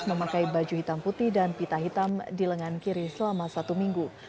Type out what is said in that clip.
memakai baju hitam putih dan pita hitam di lengan kiri selama satu minggu